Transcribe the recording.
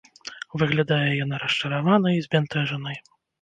Выглядае яна расчараванай і збянтэжанай.